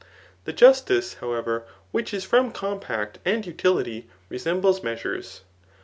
The justice, however, which is from com pact and utility resembles measures.